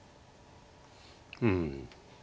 うん。